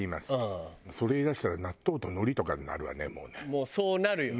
もうそうなるよね。